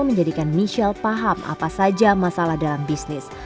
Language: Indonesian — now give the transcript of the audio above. menjadikan michelle paham apa saja masalah dalam bisnis